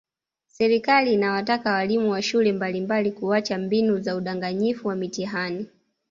Serikali inawataka walimu wa shule mbalimbali kuacha mbinu za udanganyifu wa mitihani